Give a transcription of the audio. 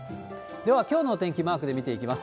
では、きょうのお天気、マークで見ていきます。